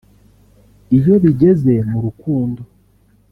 iyo bigeze mu rukundo